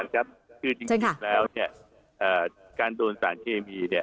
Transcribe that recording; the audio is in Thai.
จริงแล้วเนี่ยการโดนสารเคมี